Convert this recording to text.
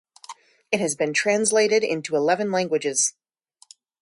It has been translated into eleven languages.